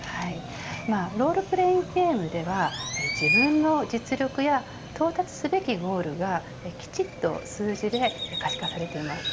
ロールプレイングゲームでは自分の実力や到達すべきゴールがきちっと数字で可視化されています。